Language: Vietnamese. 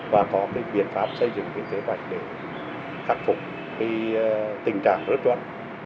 và có cái biện pháp xây dựng cái giấy vạch để khắc phục cái tình trạng rứt chuẩn